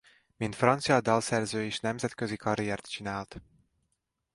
Mint francia dalszerző is nemzetközi karriert csinált.